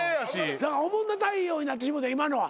オモんな太陽になってしもうた今のは。